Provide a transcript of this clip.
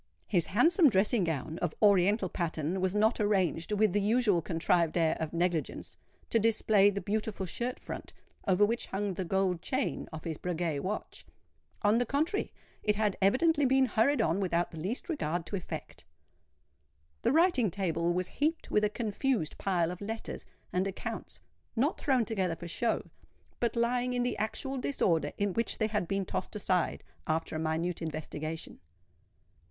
His handsome dressing gown of oriental pattern was not arranged, with the usual contrived air of negligence, to display the beautiful shirt front, over which hung the gold chain of his Breguet watch:—on the contrary, it had evidently been hurried on without the least regard to effect. The writing table was heaped with a confused pile of letters and accounts—not thrown together for show, but lying in the actual disorder in which they had been tossed aside after a minute investigation.